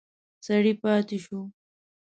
سړی پاتې شو.